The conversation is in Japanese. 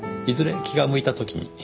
いずれ気が向いた時に。